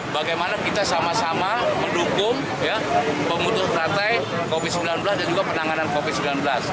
bagaimana kita sama sama mendukung pemutus rantai covid sembilan belas dan juga penanganan covid sembilan belas